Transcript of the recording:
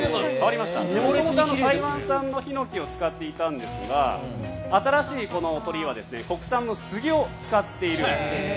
台湾産のヒノキを使っていたんですが新しい鳥居は国産の杉を使っているんです。